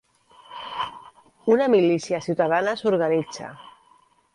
Una milícia ciutadana s'organitza…